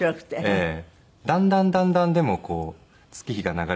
ええ。